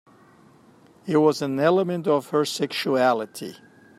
It was an element of her sexuality.